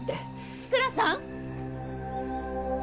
志倉さん！